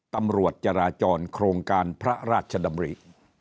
ตำรวจจราจรโครงการพระราชดำริ